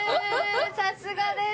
さすがです。